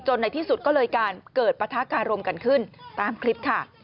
ในที่สุดก็เลยการเกิดปะทะการมกันขึ้นตามคลิปค่ะ